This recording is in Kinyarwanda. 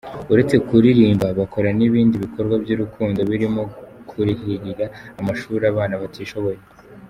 Uretse kuririmba bakora n’ibindi bikorwa by’urukundo birimo kurihirira amashuri abana batishoboye.